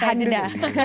ditahan dulu ya